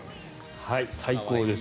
最高です。